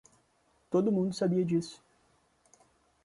Todo mundo sabia disso.